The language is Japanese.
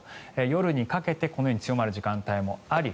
夜にかけてこのように強まる時間帯もあり